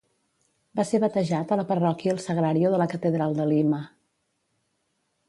Va ser batejat a la parròquia El Sagrario de la catedral de Lima.